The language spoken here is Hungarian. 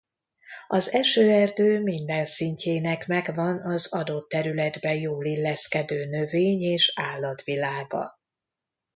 Az esőerdő minden szintjének megvan az adott területbe jól illeszkedő növény- és állatvilága.